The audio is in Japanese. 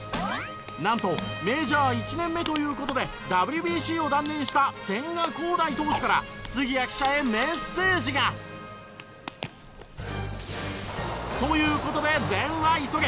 なんとメジャー１年目という事でＷＢＣを断念した千賀滉大投手から杉谷記者へメッセージが。という事で善は急げ！